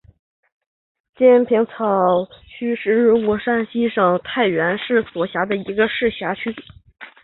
尖草坪区是中国山西省太原市所辖的一个市辖区。